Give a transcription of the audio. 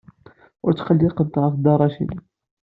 Ur tetqellqemt ɣef Dda Racid.